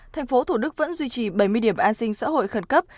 thành phố thủ đức vẫn duy trì bảy mươi điểm an sinh xã hội khẩn cấp